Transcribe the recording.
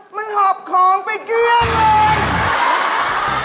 มันหอบของไปเกลี้ยงเลย